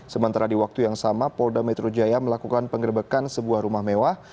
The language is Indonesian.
sementara di waktu yang sama polda metro jaya melakukan penggerbekan sebuah rumah mewah